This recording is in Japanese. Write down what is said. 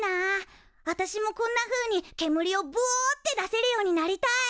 あたしもこんなふうにけむりをぶおって出せるようになりたい！